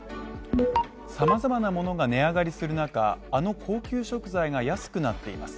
様々なものが値上がりする中、あの高級食材が安くなっています。